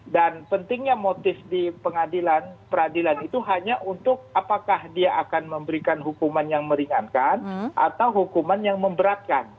dan pentingnya motif di pengadilan peradilan itu hanya untuk apakah dia akan memberikan hukuman yang meringankan atau hukuman yang memberatkan